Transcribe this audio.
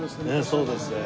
ええそうですね。